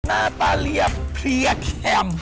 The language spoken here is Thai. หน้าตาเรียบเพลียแคม